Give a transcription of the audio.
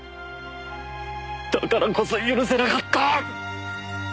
だからこそ許せなかった！